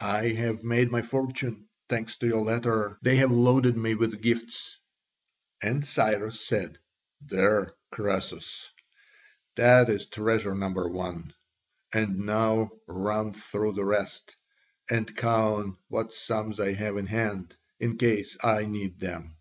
I have made my fortune, thanks to your letter! They have loaded me with gifts." And Cyrus said, "There, Croesus, that is treasure number one; and now run through the rest, and count what sums I have in hand, in case I need them."